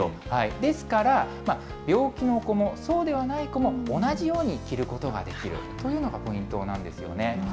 ですから、病気の子もそうではない子も同じように着ることができるというのがポイントなんですよね。